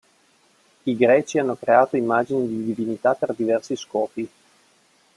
I greci hanno creato immagini di divinità per diversi scopi.